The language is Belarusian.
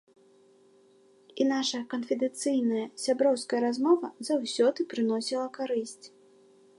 І наша канфідэнцыйная, сяброўская размова заўсёды прыносіла карысць.